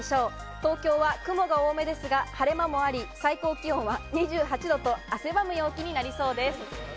東京は雲が多めですが晴れ間もあり、最高気温は２８度と汗ばむ陽気になりそうです。